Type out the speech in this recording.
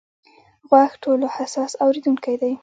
غوږ ټولو حساس اورېدونکی دی.